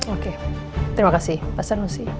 oke terima kasih pasang nosi